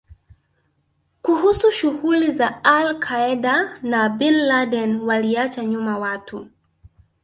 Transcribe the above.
kuhusu shughuli za al Qaeda na Bin Laden Waliacha nyuma watu